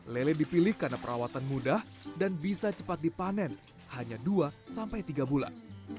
lele dipilih karena perawatan mudah dan bisa cepat dipanen hanya dua sampai tiga bulan